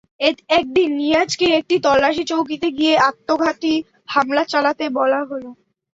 একদিন নিয়াজকে একটি তল্লাশি চৌকিতে গিয়ে আত্মঘাতী হামলা চালাতে বলা হলো।